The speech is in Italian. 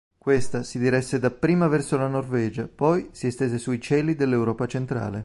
Questa si diresse dapprima verso la Norvegia; poi si estese sui cieli dell'Europa centrale.